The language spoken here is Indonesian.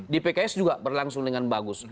di pks juga berlangsung dengan bagus